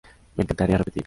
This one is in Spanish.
Me encantaría repetir.